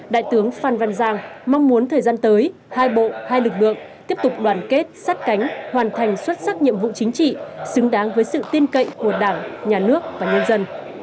đại tướng phan văn giang mong muốn thời gian tới hai bộ hai lực lượng tiếp tục đoàn kết sát cánh hoàn thành xuất sắc nhiệm vụ chính trị xứng đáng với sự tin cậy của đảng nhà nước và nhân dân